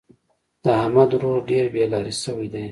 د احمد ورور ډېر بې لارې شوی دی.